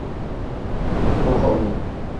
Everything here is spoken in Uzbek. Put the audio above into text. Ruhi uning